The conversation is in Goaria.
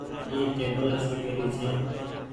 اي ٽيبل اشوڪي ري ڇي۔